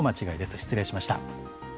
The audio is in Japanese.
失礼しました。